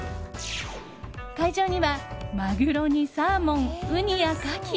会場にはマグロにサーモンウニやカキ！